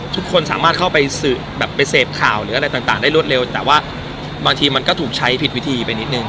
ทุกคนสามารถเข้าไปสืบแบบไปเสพข่าวหรืออะไรต่างได้รวดเร็วแต่ว่าบางทีมันก็ถูกใช้ผิดวิธีไปนิดนึง